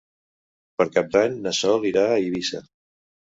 Per Cap d'Any na Sol irà a Eivissa.